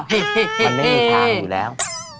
นี่มันไม่มีทางอยู่แล้ว